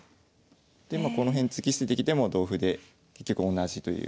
でまあこの辺突き捨ててきても同歩で結局同じという。